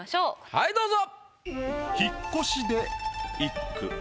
はいどうぞ。